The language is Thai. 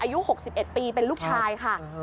อายุ๖๑ปีเป็นลูกชายค่ะ